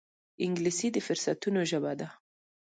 انګلیسي د فرصتونو ژبه ده